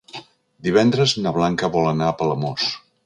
Divendres na Blanca vol anar a Palamós.